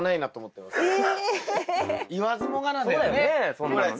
そんなのね。